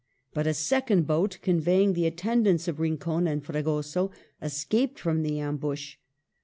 But a second boat, conveying the attendants of Rincon and Fregoso, escaped from the am bush.